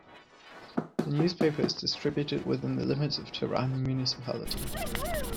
The newspaper is distributed within the limits of Tehran municipality.